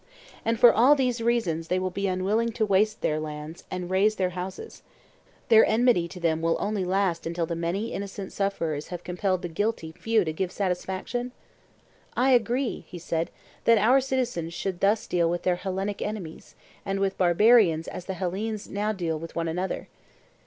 And for all these reasons they will be unwilling to waste their lands and rase their houses; their enmity to them will only last until the many innocent sufferers have compelled the guilty few to give satisfaction? I agree, he said, that our citizens should thus deal with their Hellenic enemies; and with barbarians as the Hellenes now deal with one another.